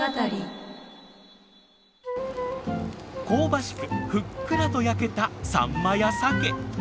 香ばしくふっくらと焼けたサンマやサケ。